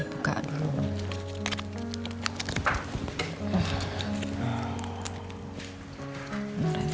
iti biar gue demen aja misalnya